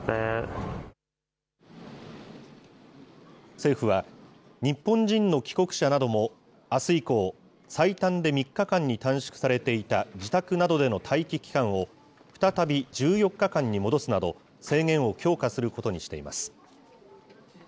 政府は、日本人の帰国者なども、あす以降、最短で３日間に短縮されていた自宅などでの待機期間を、再び１４日間に戻すなど、制限を強化することにしています。